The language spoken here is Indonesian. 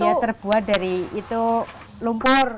dia terbuat dari itu lumpur